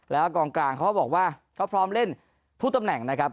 แล้วกองกลางเขาก็บอกว่าเขาพร้อมเล่นทุกตำแหน่งนะครับ